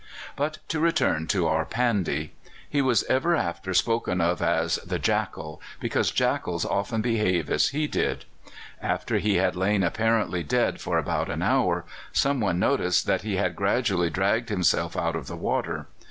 But to return to our Pandy. He was ever after spoken of as "the Jackal," because jackals often behave as he did. After he had lain apparently dead for about an hour, some one noticed that he had gradually dragged himself out of the water.